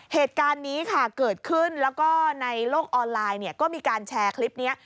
เหตุการณ์นี้ค่ะเกิดขึ้นแล้วก็ในโลกออนไลน์เนี่ยก็มีการแชร์คลิปนี้